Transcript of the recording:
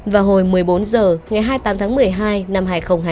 vào hồi một mươi bốn h ngày hai mươi tám tháng một mươi hai năm hai nghìn hai mươi